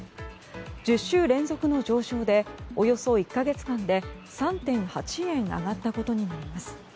１０週連続の上昇でおよそ１か月間で３．８円上がったことになります。